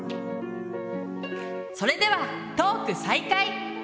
それではトーク再開！